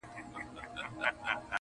چي پاچا وي څوک په غېږ کي ګرځولی-